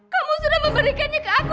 kamu sudah memberikannya ke aku